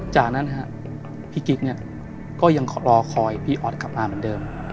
จากนั้นพี่กิ๊กเนี่ยก็ยังรอคอยพี่ออสกลับมาเหมือนเดิม